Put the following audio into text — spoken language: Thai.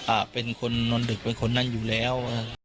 เป็นคนนอนดึกเป็นคนนั้นอยู่แล้ว